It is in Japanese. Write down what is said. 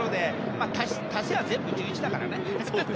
まあ、足せば全部１１だからね。